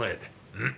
うん。